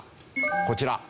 こちら。